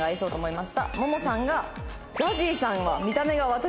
まさかのももさんがＺＡＺＹさんを。